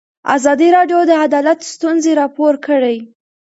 ازادي راډیو د عدالت ستونزې راپور کړي.